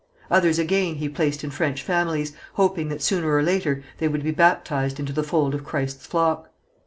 Others again he placed in French families, hoping that sooner or later they would be baptized into the fold of Christ's flock.